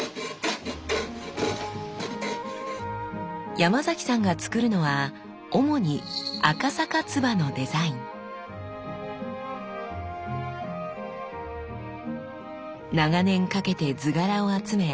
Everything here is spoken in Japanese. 山崎さんがつくるのは主に長年かけて図柄を集め